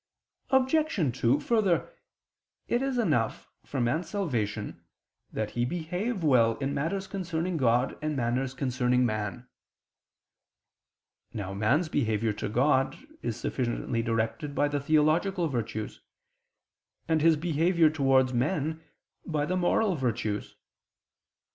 Obj. 2: Further, it is enough, for man's salvation, that he behave well in matters concerning God and matters concerning man. Now man's behavior to God is sufficiently directed by the theological virtues; and his behavior towards men, by the moral virtues.